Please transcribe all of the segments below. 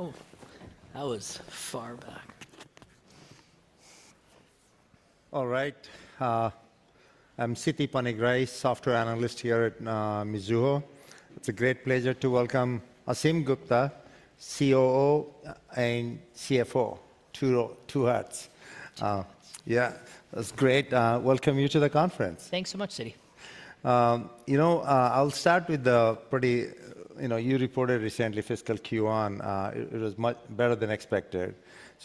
Oh, All right. I'm Siti Panigrahi, software analyst here at Mizuho. It's a great pleasure to welcome Ashim Gupta, COO and CFO, two hats. Yeah, that's great. Welcome you to the conference. Thanks so much, Siti. You know, I'll start with the pretty—you reported recently fiscal Q1. It was much better than expected.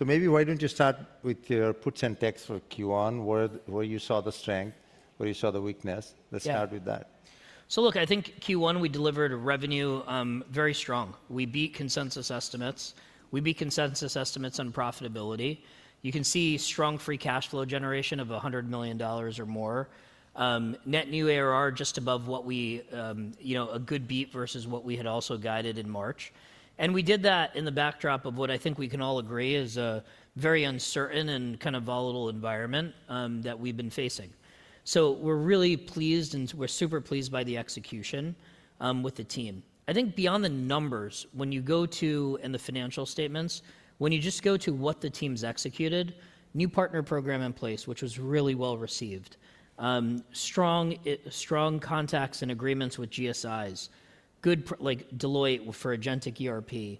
Maybe why don't you start with your puts and takes for Q1, where you saw the strength, where you saw the weakness? Let's start with that. Yeah. So look, I think Q1 we delivered revenue very strong. We beat consensus estimates. We beat consensus estimates on profitability. You can see strong free cash flow generation of $100 million or more. Net new ARR just above what we—you know, a good beat versus what we had also guided in March. We did that in the backdrop of what I think we can all agree is a very uncertain and kind of volatile environment that we've been facing. We are really pleased, and we are super pleased by the execution with the team. I think beyond the numbers, when you go to—in the financial statements, when you just go to what the team's executed, new partner program in place, which was really well received. Strong contacts and agreements with GSIs. Good, like Deloitte for Agentic ERP.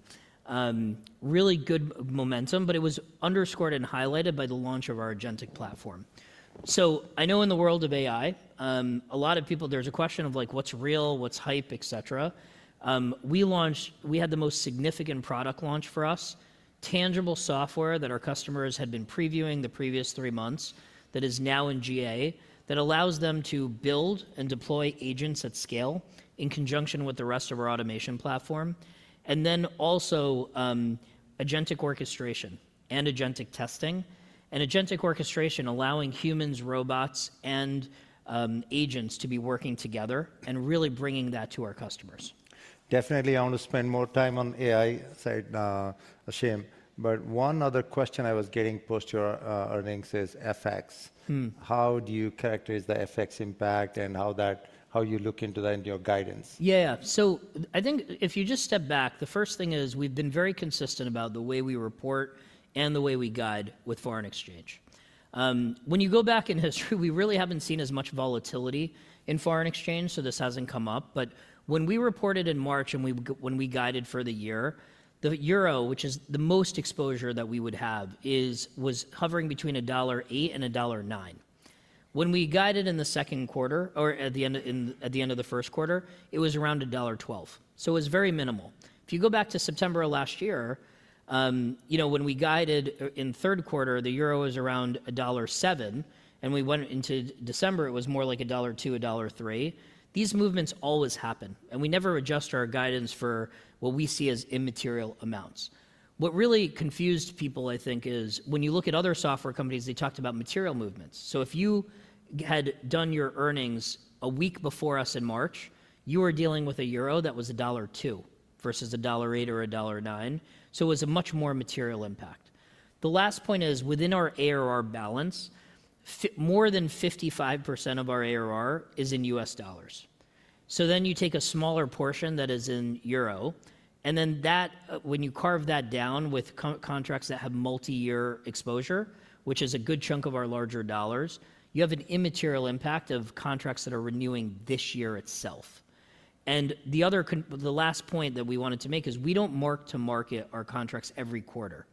Really good momentum, but it was underscored and highlighted by the launch of our agentic platform. I know in the world of AI, a lot of people—there's a question of like, what's real, what's hype, et cetera. We launched—we had the most significant product launch for us, tangible software that our customers had been previewing the previous three months that is now in GA that allows them to build and deploy agents at scale in conjunction with the rest of our automation platform. Agentic orchestration and Agentic testing allowing humans, robots, and agents to be working together and really bringing that to our customers. Definitely, I want to spend more time on the AI side, Ashim. But one other question I was getting post your earnings is FX. How do you characterize the FX impact and how you look into that in your guidance? Yeah, yeah. I think if you just step back, the first thing is we've been very consistent about the way we report and the way we guide with foreign exchange. When you go back in history, we really haven't seen as much volatility in foreign exchange, so this hasn't come up. When we reported in March and when we guided for the year, the euro, which is the most exposure that we would have, was hovering between $1.08-$1.09. When we guided in the second quarter or at the end of the first quarter, it was around $1.12. It was very minimal. If you go back to September of last year, you know, when we guided in third quarter, the euro was around $1.07. We went into December, it was more like $1.02-$1.03. These movements always happen. We never adjust our guidance for what we see as immaterial amounts. What really confused people, I think, is when you look at other software companies, they talked about material movements. If you had done your earnings a week before us in March, you were dealing with a euro that was $1.02 versus $1.08 or $1.09. It was a much more material impact. The last point is within our ARR balance, more than 55% of our ARR is in US dollars. You take a smaller portion that is in euro. When you carve that down with contracts that have multi-year exposure, which is a good chunk of our larger dollars, you have an immaterial impact of contracts that are renewing this year itself. The last point that we wanted to make is we do not mark to market our contracts every quarter.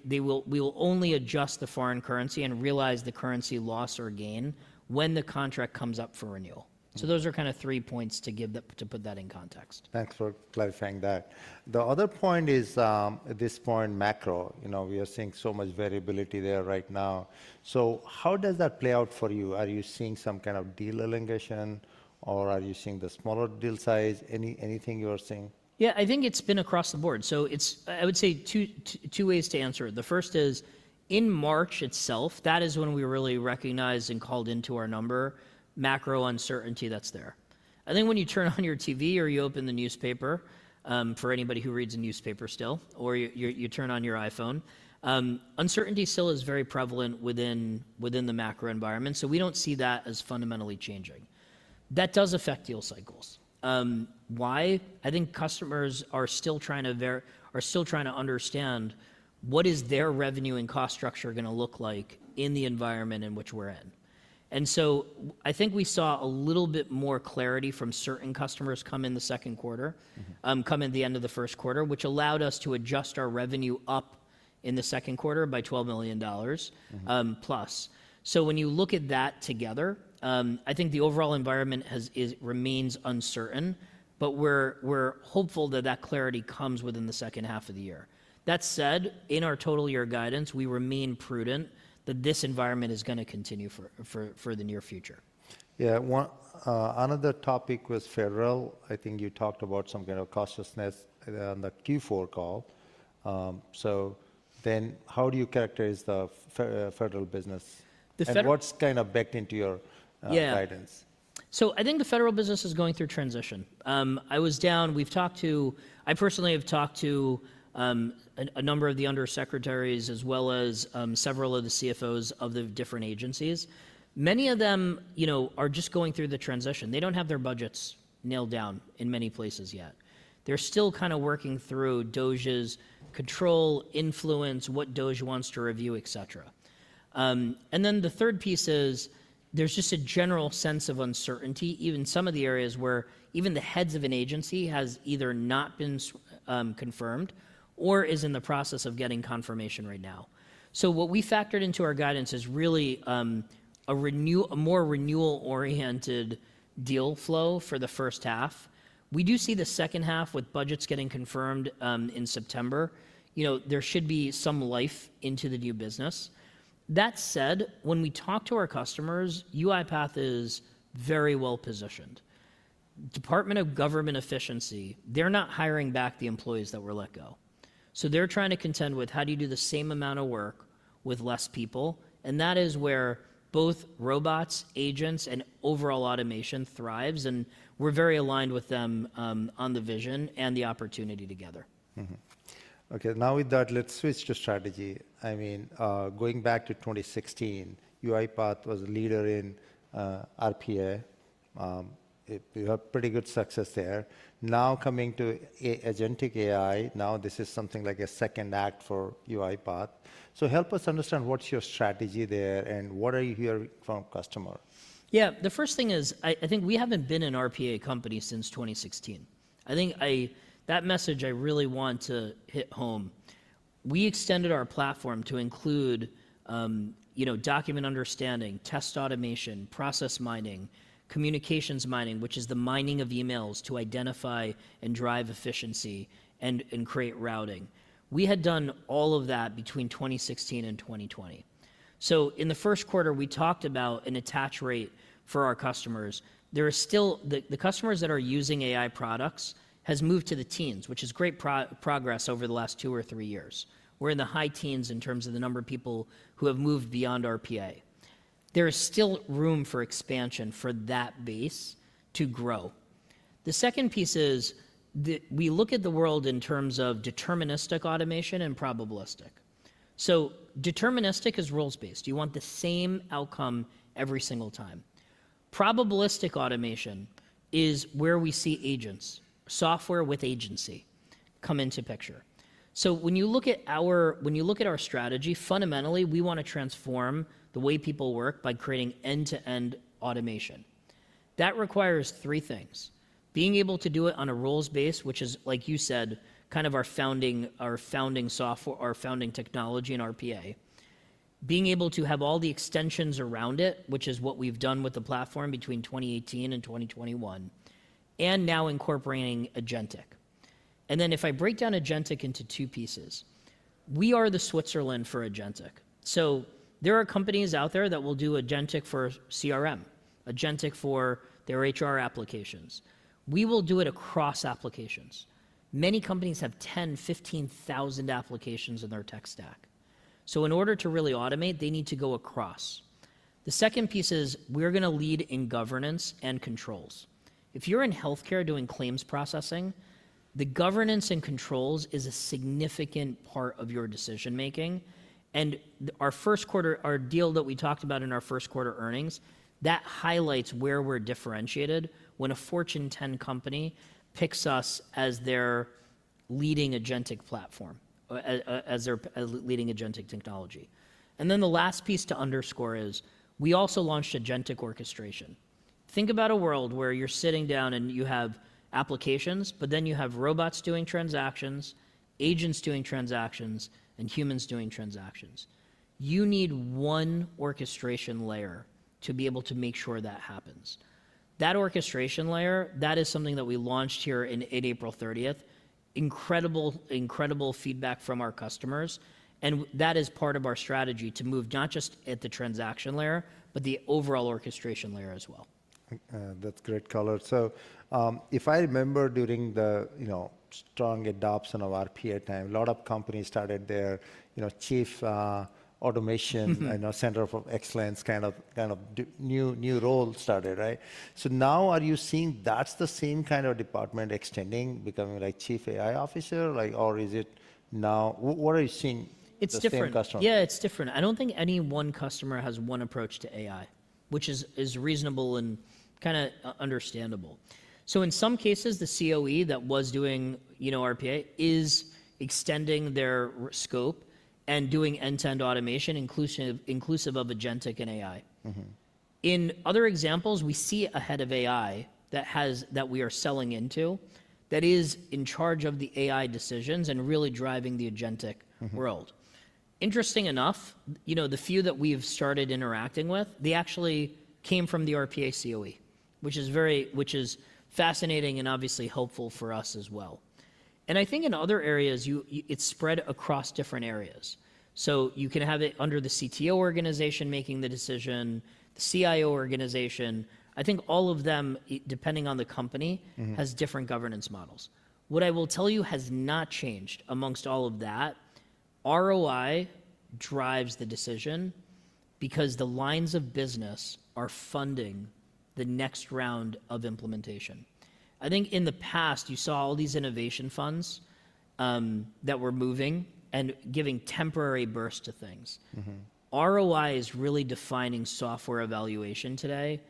We will only adjust the foreign currency and realize the currency loss or gain when the contract comes up for renewal. Those are kind of three points to put that in context. Thanks for clarifying that. The other point is at this point macro, you know, we are seeing so much variability there right now. How does that play out for you? Are you seeing some kind of deal elongation, or are you seeing the smaller deal size? Anything you are seeing? Yeah, I think it's been across the board. I would say two ways to answer. The first is in March itself, that is when we really recognized and called into our number macro uncertainty that's there. I think when you turn on your TV or you open the newspaper for anybody who reads a newspaper still, or you turn on your iPhone, uncertainty still is very prevalent within the macro environment. We do not see that as fundamentally changing. That does affect deal cycles. Why? I think customers are still trying to understand what is their revenue and cost structure going to look like in the environment in which we're in. I think we saw a little bit more clarity from certain customers come in the second quarter, come in the end of the first quarter, which allowed us to adjust our revenue up in the second quarter by $12 million+. When you look at that together, I think the overall environment remains uncertain, but we're hopeful that that clarity comes within the second half of the year. That said, in our total year guidance, we remain prudent that this environment is going to continue for the near future. Yeah. One other topic was federal. I think you talked about some kind of cautiousness on the Q4 call. How do you characterize the federal business? The federal. What's kind of baked into your guidance? Yeah. So I think the federal business is going through transition. I was down, we've talked to, I personally have talked to a number of the undersecretaries as well as several of the CFOs of the different agencies. Many of them, you know, are just going through the transition. They don't have their budgets nailed down in many places yet. They're still kind of working through DOGE's control, influence, what DOGE wants to review, et cetera. The third piece is there's just a general sense of uncertainty, even some of the areas where even the heads of an agency has either not been confirmed or is in the process of getting confirmation right now. What we factored into our guidance is really a more renewal-oriented deal flow for the first half. We do see the second half with budgets getting confirmed in September. You know, there should be some life into the new business. That said, when we talk to our customers, UiPath is very well positioned. Department of Government Efficiency, they're not hiring back the employees that were let go. They are trying to contend with how do you do the same amount of work with less people. That is where both robots, agents, and overall automation thrives. We are very aligned with them on the vision and the opportunity together. Okay. Now with that, let's switch to strategy. I mean, going back to 2016, UiPath was a leader in RPA. You have pretty good success there. Now coming to agentic AI, now this is something like a second act for UiPath. So help us understand what's your strategy there and what are you hearing from customers? Yeah. The first thing is I think we haven't been an RPA company since 2016. I think that message I really want to hit home. We extended our platform to include, you know, document understanding, test automation, process mining, communications mining, which is the mining of emails to identify and drive efficiency and create routing. We had done all of that between 2016 and 2020. In the first quarter, we talked about an attach rate for our customers. There is still the customers that are using AI products have moved to the teens, which is great progress over the last two or three years. We're in the high teens in terms of the number of people who have moved beyond RPA. There is still room for expansion for that base to grow. The second piece is we look at the world in terms of deterministic automation and probabilistic. Deterministic is rules-based. You want the same outcome every single time. Probabilistic automation is where we see agents, software with agency come into picture. When you look at our strategy, fundamentally, we want to transform the way people work by creating end-to-end automation. That requires three things: being able to do it on a rules-based, which is, like you said, kind of our founding software, our founding technology in RPA; being able to have all the extensions around it, which is what we've done with the platform between 2018 and 2021; and now incorporating agentic. If I break down agentic into two pieces, we are the Switzerland for agentic. There are companies out there that will do agentic for CRM, agentic for their HR applications. We will do it across applications. Many companies have 10,000-15,000 applications in their tech stack. In order to really automate, they need to go across. The second piece is we're going to lead in governance and controls. If you're in healthcare doing claims processing, the governance and controls is a significant part of your decision-making. Our first quarter, our deal that we talked about in our first quarter earnings, that highlights where we're differentiated when a Fortune 10 company picks us as their leading agentic platform, as their leading agentic technology. The last piece to underscore is we also Agentic orchestration. think about a world where you're sitting down and you have applications, but then you have robots doing transactions, agents doing transactions, and humans doing transactions. You need one orchestration layer to be able to make sure that happens. That orchestration layer, that is something that we launched here on April 30th. Incredible, incredible feedback from our customers. That is part of our strategy to move not just at the transaction layer, but the overall orchestration layer as well. That's great color. If I remember during the, you know, strong adoption of RPA time, a lot of companies started their, you know, chief automation, you know, Center of Excellence kind of new role started, right? Now are you seeing that's the same kind of department extending, becoming like chief AI officer, or is it now what are you seeing? It's different. Yeah, it's different. I don't think any one customer has one approach to AI, which is reasonable and kind of understandable. In some cases, the CoE that was doing, you know, RPA is extending their scope and doing end-to-end automation inclusive of agentic and AI. In other examples, we see a head of AI that we are selling into that is in charge of the AI decisions and really driving the agentic world. Interesting enough, you know, the few that we've started interacting with, they actually came from the RPA CoE, which is very, which is fascinating and obviously helpful for us as well. I think in other areas, it's spread across different areas. You can have it under the CTO organization making the decision, the CIO organization. I think all of them, depending on the company, have different governance models. What I will tell you has not changed amongst all of that. ROI drives the decision because the lines of business are funding the next round of implementation. I think in the past, you saw all these innovation funds that were moving and giving temporary bursts to things. ROI is really defining software evaluation today,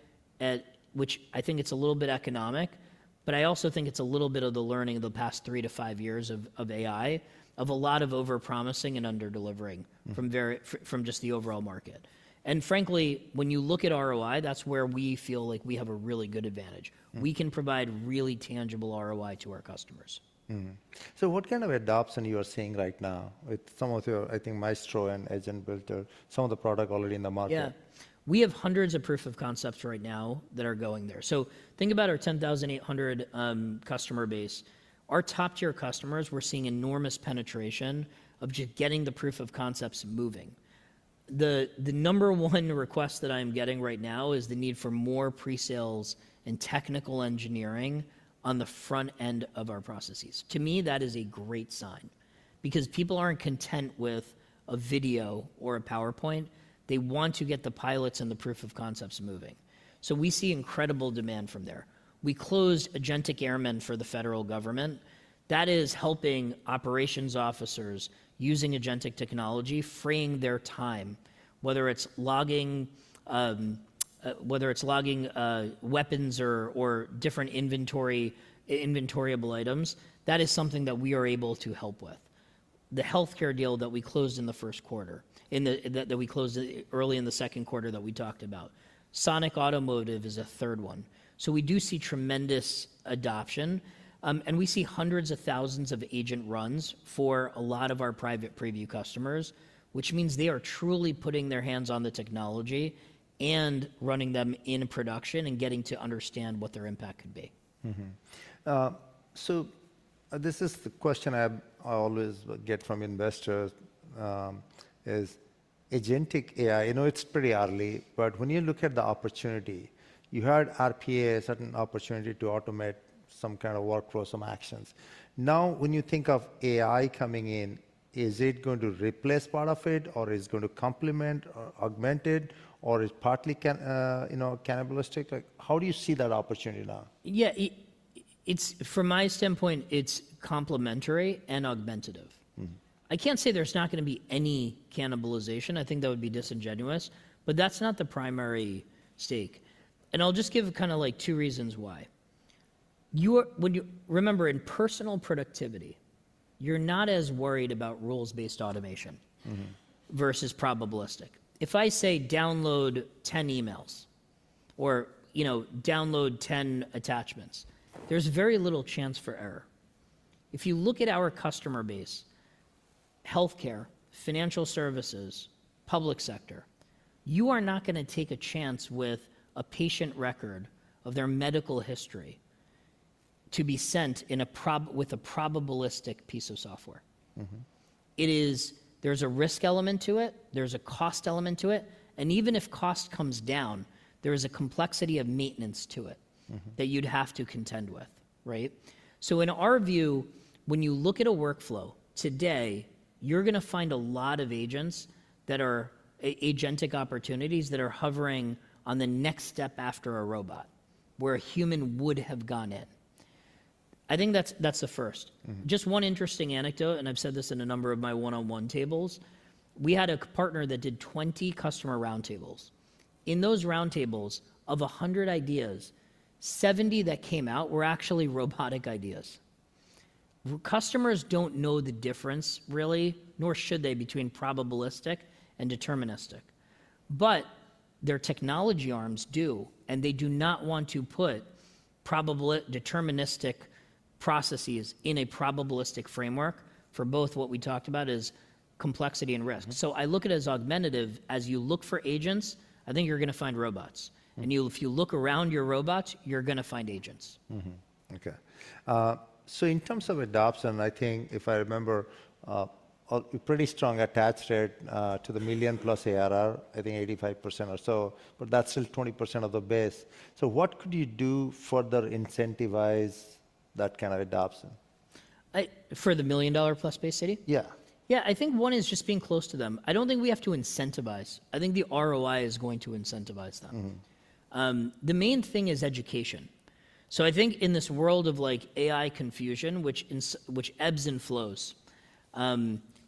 which I think it's a little bit economic, but I also think it's a little bit of the learning of the past three to five years of AI, of a lot of overpromising and under-delivering from just the overall market. Frankly, when you look at ROI, that's where we feel like we have a really good advantage. We can provide really tangible ROI to our customers. What kind of adoption are you seeing right now with some of your, I think, Maestro and Agent Builder, some of the product already in the market? Yeah. We have hundreds of proof of concepts right now that are going there. Think about our 10,800 customer base. Our top-tier customers, we're seeing enormous penetration of just getting the proof of concepts moving. The number one request that I'm getting right now is the need for more pre-sales and technical engineering on the front end of our processes. To me, that is a great sign because people aren't content with a video or a PowerPoint. They want to get the pilots and the proof of concepts moving. We see incredible demand from there. We closed Agentic Airmen for the federal government. That is helping operations officers using agentic technology, freeing their time, whether it's logging, whether it's logging weapons or different inventory, inventoriable items. That is something that we are able to help with. The healthcare deal that we closed in the first quarter, that we closed early in the second quarter that we talked about. Sonic Automotive is a third one. We do see tremendous adoption. We see hundreds of thousands of agent runs for a lot of our private preview customers, which means they are truly putting their hands on the technology and running them in production and getting to understand what their impact could be. This is the question I always get from investors: is agentic AI, I know it's pretty early, but when you look at the opportunity, you had RPA, a certain opportunity to automate some kind of workflow, some actions. Now when you think of AI coming in, is it going to replace part of it, or is it going to complement or augment it, or is it partly, you know, cannibalistic? How do you see that opportunity now? Yeah. From my standpoint, it's complementary and augmentative. I can't say there's not going to be any cannibalization. I think that would be disingenuous. That's not the primary stake. I'll just give kind of like two reasons why. Remember, in personal productivity, you're not as worried about rules-based automation versus probabilistic. If I say download 10 emails or, you know, download 10 attachments, there's very little chance for error. If you look at our customer base, healthcare, financial services, public sector, you are not going to take a chance with a patient record of their medical history to be sent with a probabilistic piece of software. There's a risk element to it. There's a cost element to it. Even if cost comes down, there is a complexity of maintenance to it that you'd have to contend with, right? In our view, when you look at a workflow today, you're going to find a lot of agents that are agentic opportunities that are hovering on the next step after a robot where a human would have gone in. I think that's the first. Just one interesting anecdote, and I've said this in a number of my one-on-one tables. We had a partner that did 20 customer roundtables. In those roundtables, of 100 ideas, 70 that came out were actually robotic ideas. Customers don't know the difference, really, nor should they between probabilistic and deterministic. Their technology arms do, and they do not want to put deterministic processes in a probabilistic framework for both what we talked about is complexity and risk. I look at it as augmentative. As you look for agents, I think you're going to find robots. If you look around your robots, you're going to find agents. Okay. In terms of adoption, I think if I remember, a pretty strong attach rate to the $1 million+ ARR, I think 85% or so, but that's still 20% of the base. What could you do to further incentivize that kind of adoption? For the $1 million+ base, Siti? Yeah. Yeah. I think one is just being close to them. I don't think we have to incentivize. I think the ROI is going to incentivize them. The main thing is education. I think in this world of like AI confusion, which ebbs and flows,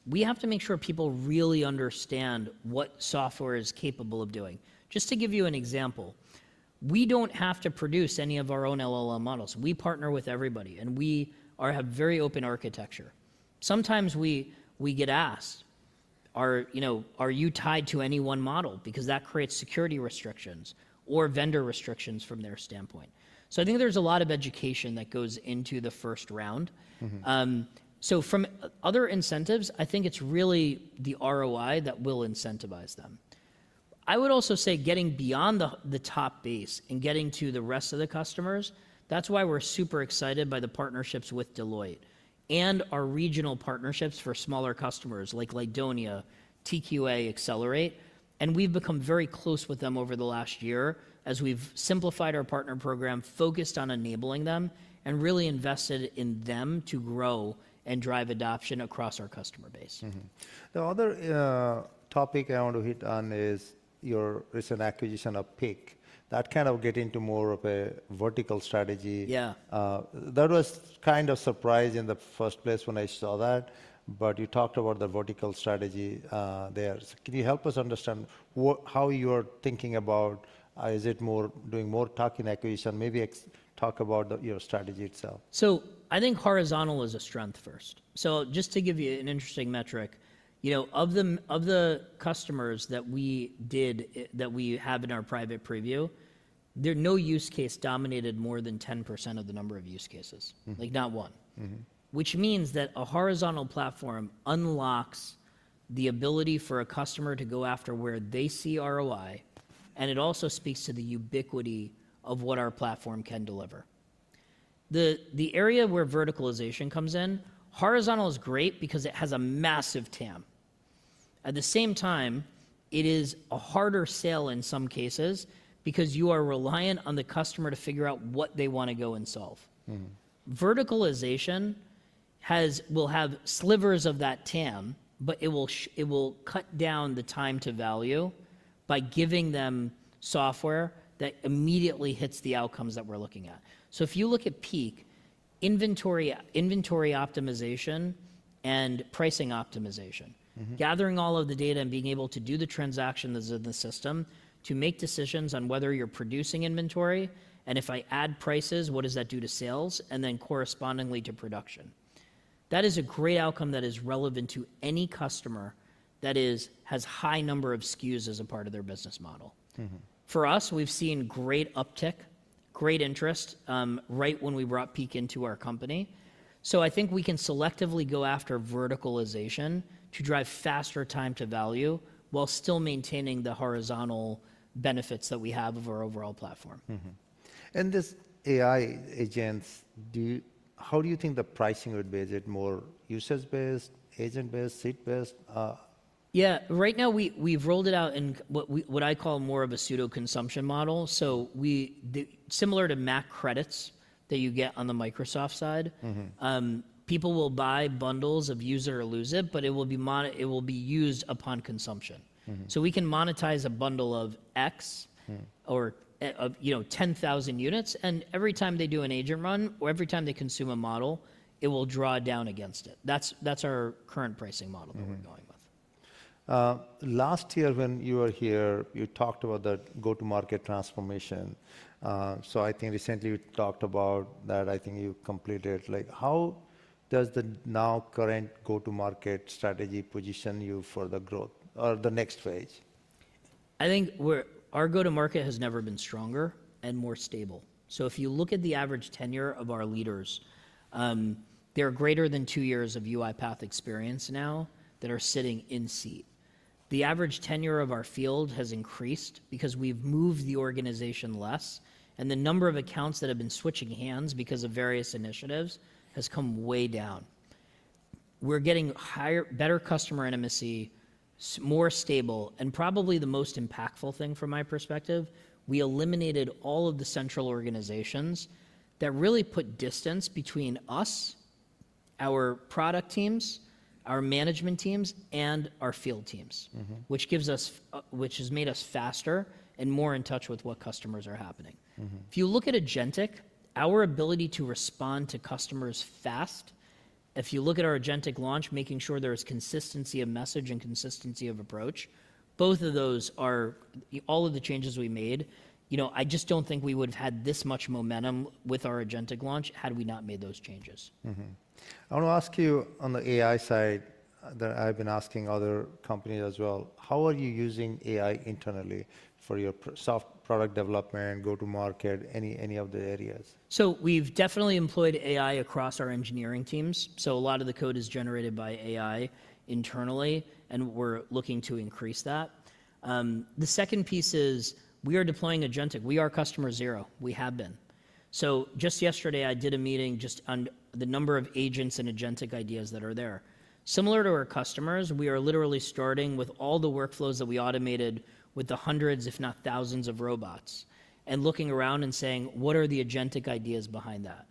we have to make sure people really understand what software is capable of doing. Just to give you an example, we don't have to produce any of our own LLM models. We partner with everybody, and we have very open architecture. Sometimes we get asked, you know, are you tied to any one model? Because that creates security restrictions or vendor restrictions from their standpoint. I think there's a lot of education that goes into the first round. From other incentives, I think it's really the ROI that will incentivize them. I would also say getting beyond the top base and getting to the rest of the customers, that's why we're super excited by the partnerships with Deloitte and our regional partnerships for smaller customers like Lydonia, TQA Accelerate. We have become very close with them over the last year as we have simplified our partner program, focused on enabling them, and really invested in them to grow and drive adoption across our customer base. The other topic I want to hit on is your recent acquisition of Peak. That kind of gets into more of a vertical strategy. That was kind of a surprise in the first place when I saw that, but you talked about the vertical strategy there. Can you help us understand how you're thinking about, is it more doing more talking acquisition? Maybe talk about your strategy itself. I think horizontal is a strength first. Just to give you an interesting metric, you know, of the customers that we have in our private preview, there are no use cases dominated more than 10% of the number of use cases, like not one. Which means that a horizontal platform unlocks the ability for a customer to go after where they see ROI, and it also speaks to the ubiquity of what our platform can deliver. The area where verticalization comes in, horizontal is great because it has a massive TAM. At the same time, it is a harder sale in some cases because you are reliant on the customer to figure out what they want to go and solve. Verticalization will have slivers of that TAM, but it will cut down the time to value by giving them software that immediately hits the outcomes that we're looking at. If you look at Peak, inventory optimization and pricing optimization, gathering all of the data and being able to do the transactions in the system to make decisions on whether you're producing inventory, and if I add prices, what does that do to sales, and then correspondingly to production. That is a great outcome that is relevant to any customer that has a high number of SKUs as a part of their business model. For us, we've seen great uptick, great interest right when we brought Peak into our company. I think we can selectively go after verticalization to drive faster time to value while still maintaining the horizontal benefits that we have of our overall platform. This AI agents, how do you think the pricing would be? Is it more user-based, agent-based, seat-based? Yeah. Right now, we've rolled it out in what I call more of a pseudo-consumption model. Similar to Mac credits that you get on the Microsoft side, people will buy bundles of use it or lose it, but it will be used upon consumption. We can monetize a bundle of X or, you know, 10,000 units. Every time they do an agent run or every time they consume a model, it will draw down against it. That's our current pricing model that we're going with. Last year when you were here, you talked about the go-to-market transformation. I think recently you talked about that. I think you completed it. How does the now current go-to-market strategy position you for the growth or the next phase? I think our go-to-market has never been stronger and more stable. If you look at the average tenure of our leaders, there are greater than two years of UiPath experience now that are sitting in seat. The average tenure of our field has increased because we've moved the organization less, and the number of accounts that have been switching hands because of various initiatives has come way down. We're getting better customer intimacy, more stable, and probably the most impactful thing from my perspective. We eliminated all of the central organizations that really put distance between us, our product teams, our management teams, and our field teams, which has made us faster and more in touch with what customers are happening. If you look at agentic, our ability to respond to customers fast, if you look at our agentic launch, making sure there is consistency of message and consistency of approach, both of those are all of the changes we made. You know, I just don't think we would have had this much momentum with our agentic launch had we not made those changes. I want to ask you on the AI side that I've been asking other companies as well. How are you using AI internally for your soft product development, go-to-market, any of the areas? We've definitely employed AI across our engineering teams. A lot of the code is generated by AI internally, and we're looking to increase that. The second piece is we are deploying agentic. We are customer zero. We have been. Just yesterday, I did a meeting just on the number of agents and agentic ideas that are there. Similar to our customers, we are literally starting with all the workflows that we automated with the hundreds, if not thousands, of robots and looking around and saying, what are the agentic ideas behind that?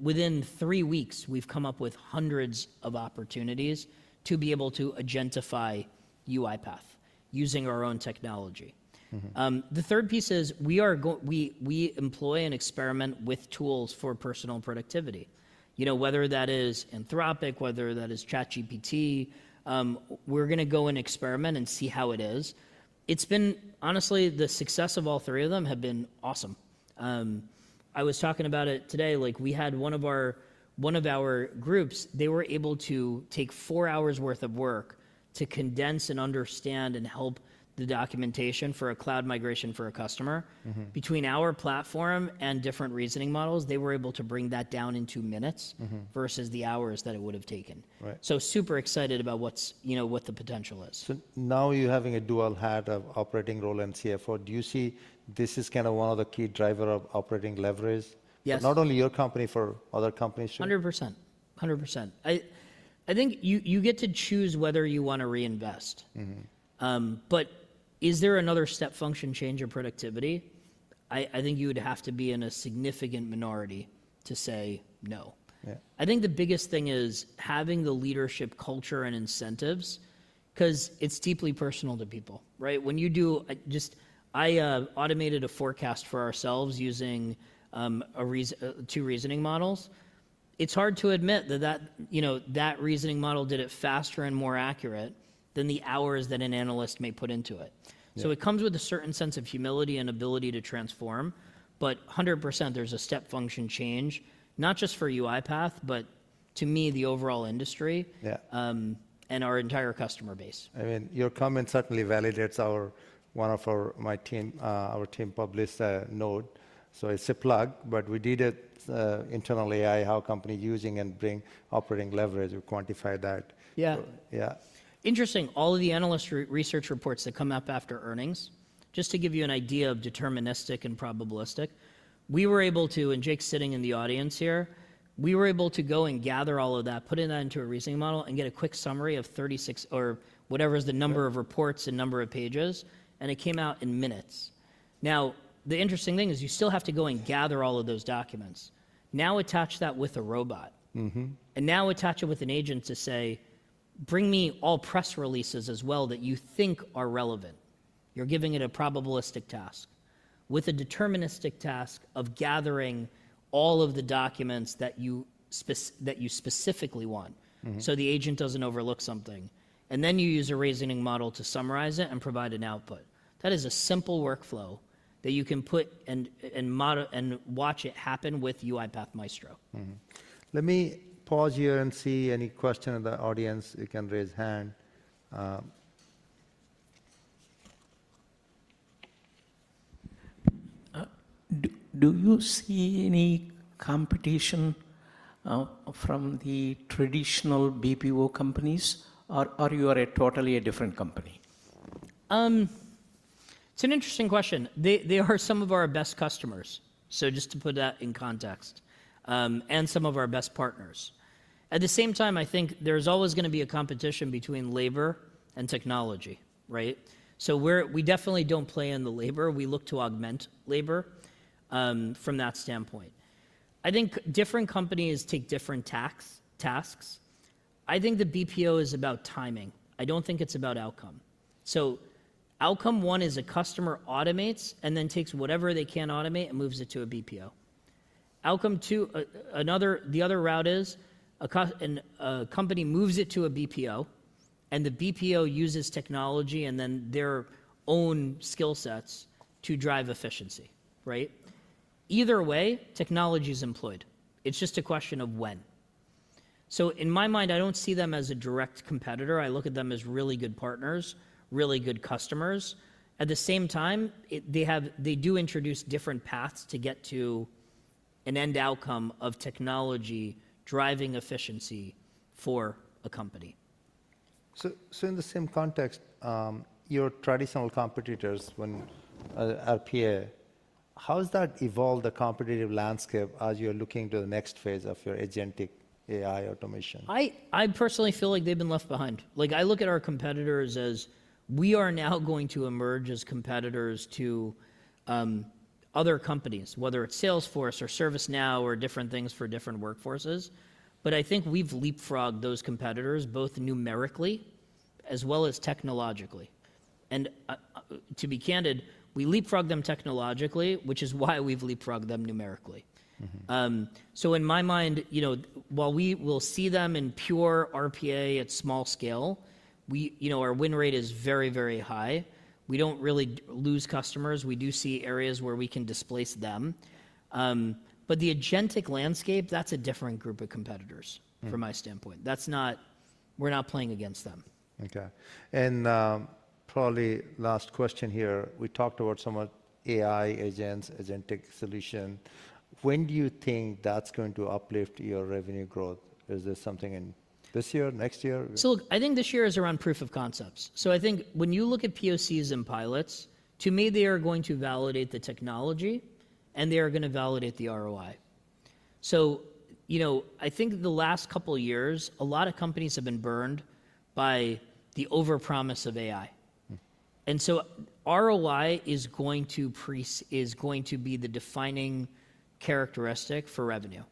Within three weeks, we've come up with hundreds of opportunities to be able to agentify UiPath using our own technology. The third piece is we employ and experiment with tools for personal productivity. You know, whether that is Anthropic, whether that is ChatGPT, we're going to go and experiment and see how it is. It's been, honestly, the success of all three of them has been awesome. I was talking about it today. Like we had one of our groups, they were able to take four hours' worth of work to condense and understand and help the documentation for a cloud migration for a customer. Between our platform and different reasoning models, they were able to bring that down into minutes versus the hours that it would have taken. Super excited about what the potential is. Now you're having a dual hat of operating role and CFO. Do you see this as kind of one of the key drivers of operating leverage? Yes. Not only your company, for other companies too. 100%. 100%. I think you get to choose whether you want to reinvest. Is there another step function change in productivity? I think you would have to be in a significant minority to say no. I think the biggest thing is having the leadership culture and incentives because it's deeply personal to people, right? When you do just I automated a forecast for ourselves using two reasoning models. It's hard to admit that that reasoning model did it faster and more accurate than the hours that an analyst may put into it. It comes with a certain sense of humility and ability to transform, but 100%, there's a step function change, not just for UiPath, but to me, the overall industry and our entire customer base. I mean, your comment certainly validates one of my team, our team published a note. So it's a plug, but we did it internally. How companies using and bring operating leverage, we quantify that. Yeah. Yeah. Interesting. All of the analyst research reports that come up after earnings, just to give you an idea of deterministic and probabilistic, we were able to, and Jake's sitting in the audience here, we were able to go and gather all of that, put it into a reasoning model, and get a quick summary of 36 or whatever is the number of reports and number of pages, and it came out in minutes. Now, the interesting thing is you still have to go and gather all of those documents. Now attach that with a robot. Now attach it with an agent to say, bring me all press releases as well that you think are relevant. You're giving it a probabilistic task with a deterministic task of gathering all of the documents that you specifically want so the agent doesn't overlook something. You use a reasoning model to summarize it and provide an output. That is a simple workflow that you can put and watch it happen with UiPath Maestro. Let me pause here and see any questions in the audience. You can raise your hand. Do you see any competition from the traditional BPO companies, or are you at totally a different company? It's an interesting question. They are some of our best customers, so just to put that in context, and some of our best partners. At the same time, I think there's always going to be a competition between labor and technology, right? We definitely don't play in the labor. We look to augment labor from that standpoint. I think different companies take different tasks. I think the BPO is about timing. I don't think it's about outcome. Outcome one is a customer automates and then takes whatever they can automate and moves it to a BPO. Outcome two, the other route is a company moves it to a BPO, and the BPO uses technology and then their own skill sets to drive efficiency, right? Either way, technology is employed. It's just a question of when. In my mind, I don't see them as a direct competitor. I look at them as really good partners, really good customers. At the same time, they do introduce different paths to get to an end outcome of technology driving efficiency for a company. In the same context, your traditional competitors when RPA, how has that evolved the competitive landscape as you're looking to the next phase of your agentic AI automation? I personally feel like they've been left behind. Like I look at our competitors as we are now going to emerge as competitors to other companies, whether it's Salesforce or ServiceNow or different things for different workforces. I think we've leapfrogged those competitors both numerically as well as technologically. To be candid, we leapfrogged them technologically, which is why we've leapfrogged them numerically. In my mind, you know, while we will see them in pure RPA at small scale, our win rate is very, very high. We don't really lose customers. We do see areas where we can displace them. The agentic landscape, that's a different group of competitors from my standpoint. We're not playing against them. Okay. Probably last question here. We talked about some AI agents, agentic solution. When do you think that's going to uplift your revenue growth? Is this something in this year, next year? I think this year is around proof of concepts. I think when you look at POCs and pilots, to me, they are going to validate the technology, and they are going to validate the ROI. You know, I think the last couple of years, a lot of companies have been burned by the over-promise of AI. ROI is going to be the defining characteristic for revenue.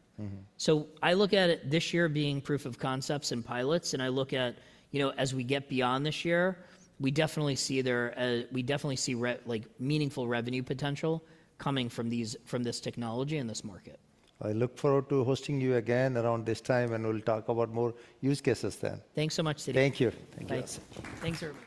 I look at it this year being proof of concepts and pilots, and I look at, you know, as we get beyond this year, we definitely see like meaningful revenue potential coming from this technology and this market. I look forward to hosting you again around this time, and we'll talk about more use cases then. Thanks so much, Siti. Thank you. Thanks.